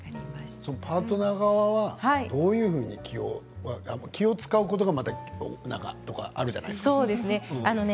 パートナー側はどういうふうに気を遣うことがまた、というのもあるじゃないですか。